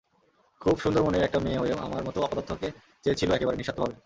খুব সুন্দর মনের একটা মেয়ে হয়েও আমার মতো অপদার্থকে চেয়েছিল একেবারে, নিঃস্বার্থভাবে।